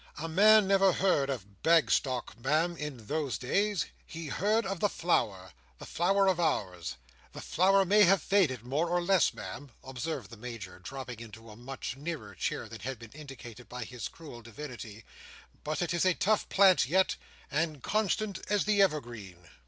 A man never heard of Bagstock, Ma'am, in those days; he heard of the Flower—the Flower of Ours. The Flower may have faded, more or less, Ma'am," observed the Major, dropping into a much nearer chair than had been indicated by his cruel Divinity, "but it is a tough plant yet, and constant as the evergreen."